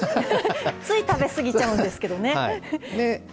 つい食べ過ぎちゃうんですけどね。